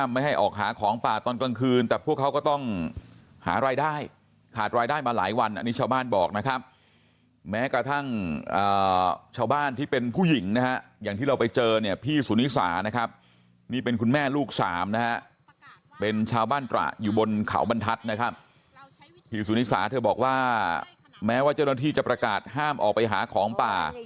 ไม่ให้ออกหาของป่าตอนกลางคืนแต่พวกเขาก็ต้องหารายได้ขาดรายได้มาหลายวันอันนี้ชาวบ้านบอกนะครับแม้กระทั่งชาวบ้านที่เป็นผู้หญิงนะฮะอย่างที่เราไปเจอเนี่ยพี่สุนิสานะครับนี่เป็นคุณแม่ลูกสามนะฮะเป็นชาวบ้านตระอยู่บนเขาบรรทัศน์นะครับพี่สุนิสาเธอบอกว่าแม้ว่าเจ้าหน้าที่จะประกาศห้ามออกไปหาของป่า